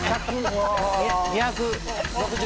２６０。